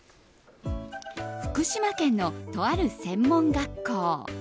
福島県の、とある専門学校。